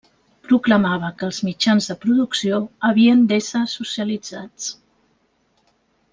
Proclamava que els mitjans de producció havien d'ésser socialitzats.